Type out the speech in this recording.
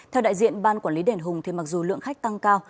theo đại diện ban quản lý đền hùng mặc dù lượng khách tăng cao